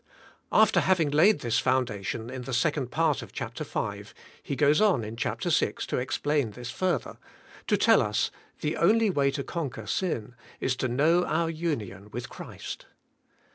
After having laid this foundation in the second part of Chap. 5, he goes on in Chap. 6 to explain this further; to tell us the only way to conquer sin is to know our union with Christ.